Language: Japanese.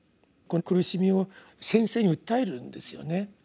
この苦しみを先生に訴えるんですよね。